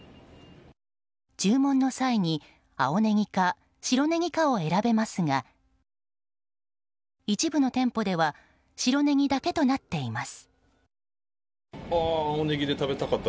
注文に際に青ネギか白ネギかを選べますが一部の店舗では白ネギだけとなっています。